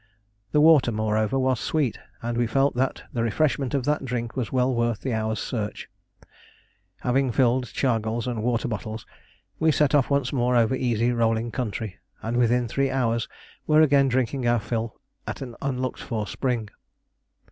The water moreover was sweet, and we felt that the refreshment of that drink was well worth the hour's search. Having filled chargals and water bottles, we set off once more over easy rolling country, and within three hours were again drinking our fill at an unlooked for spring.